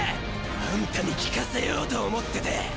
あんたに聞かせようと思ってた！